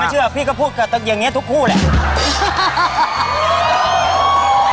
ไม่เชื่อพี่ก็พูดแบบอย่างเองทุกคู่แหละ